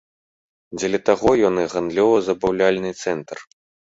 Дзеля таго ён і гандлёва-забаўляльны цэнтр.